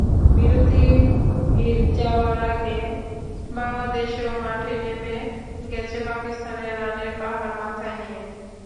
বিরতির যাওয়ার আগে বাংলাদেশও মাঠে নেমে গেছে পাকিস্তানের রানের পাহাড় মাথায় নিয়ে।